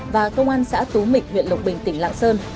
và công an xã tú mịch huyện lộc bình tỉnh lạng sơn